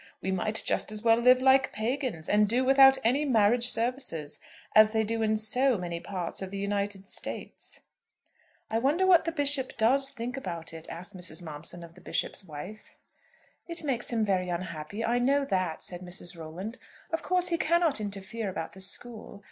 We might just as well live like pagans, and do without any marriage services, as they do in so many parts of the United States." "I wonder what the Bishop does think about it?" asked Mrs. Momson of the Bishop's wife. "It makes him very unhappy; I know that," said Mrs. Rolland. "Of course he cannot interfere about the school.